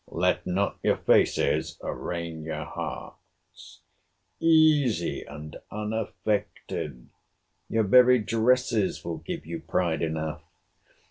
Let not your faces arraign your hearts. Easy and unaffected!—Your very dresses will give you pride enough.